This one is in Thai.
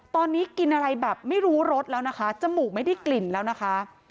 ตอนนี้กินอะไรแบบไม่รู้รสแล้วนะคะจมูกไม่ได้กลิ่นแล้วนะคะ